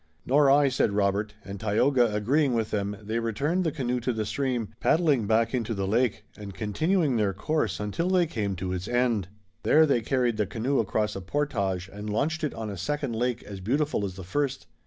"Nor I," said Robert, and, Tayoga agreeing with them, they returned the canoe to the stream, paddling back into the lake, and continuing their course until they came to its end. There they carried the canoe across a portage and launched it on a second lake as beautiful as the first.